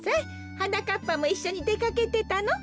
はなかっぱもいっしょにでかけてたの？